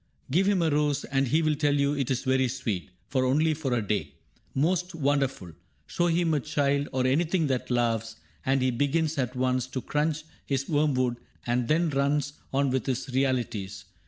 Give him a rose, And he will tell you it is very sweet, But only for a day. Most wonderful ! Show him a child, or anything that laughs. And he begins at once to crunch his worm wood And then runs on with his " realities."